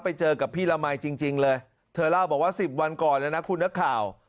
ไปเจอกับพี่ละมัยจริงเลยเธอเล่าบอกว่า๑๐วันก่อนเลยนะคุณนักข่าว